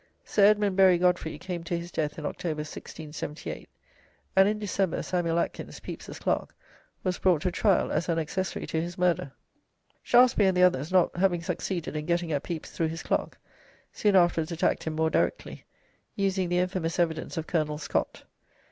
Sir. Edmund Berry Godfrey came to his death in October, 1678, and in December Samuel Atkins, Pepys's clerk, was brought to trial as an accessory to his murder. Shaftesbury and the others not having succeeded in getting at Pepys through his clerk, soon afterwards attacked him more directly, using the infamous evidence of Colonel Scott.